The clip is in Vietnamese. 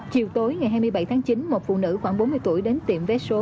chiều tối ngày hai mươi bảy tháng chín một phụ nữ khoảng bốn mươi tuổi đến tiệm vé số